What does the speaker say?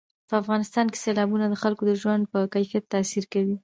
په افغانستان کې سیلابونه د خلکو د ژوند په کیفیت تاثیر کوي.